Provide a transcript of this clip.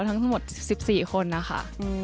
ทั้งหมด๑๔คนนะคะ